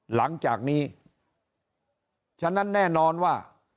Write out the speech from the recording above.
หลังจากนี้ฉะนั้นแน่นอนว่า